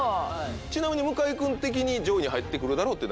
ちなみに向井君的に上位に入って来るだろうっていうのは。